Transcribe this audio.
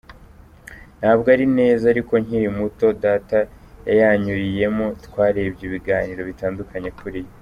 Ntabwo ari neza ariko nkiri muto Data yayanyuriyemo, twarebye ibiganiro bitandukanye kuri yo.